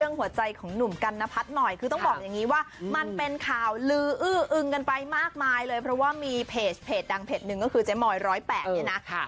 หัวใจของหนุ่มกันนพัฒน์หน่อยคือต้องบอกอย่างนี้ว่ามันเป็นข่าวลืออื้ออึงกันไปมากมายเลยเพราะว่ามีเพจดังเพจหนึ่งก็คือเจ๊มอย๑๐๘เนี่ยนะ